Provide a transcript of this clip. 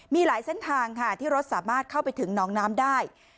มีหลายเส้นทางค่ะที่รถสามารถเข้าไปถึงน้องน้ำได้